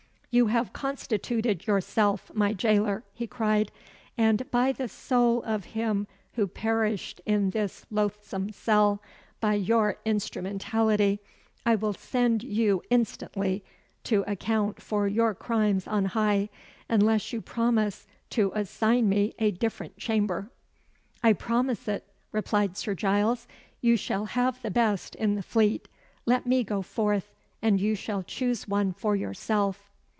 "You have constituted yourself my jailer," he cried, "and by the soul of him who perished in this loathsome cell, by your instrumentality, I will send you instantly to account for your crimes on High, unless you promise to assign me a different chamber!" "I promise it," replied Sir Giles. "You shall have the best in the Fleet. Let me go forth, and you shall choose one for yourself."